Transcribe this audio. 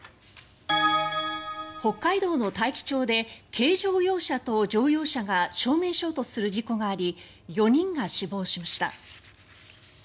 北海道の大樹町で軽乗用車と乗用車が正面衝突する事故があり４人が死亡しました。